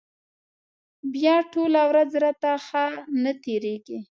بیا ټوله ورځ راته ښه نه تېرېږي.